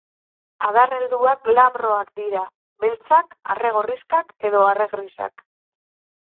Adar helduak glabroak dira, beltzak, arre-gorrixkak edo arre-grisak.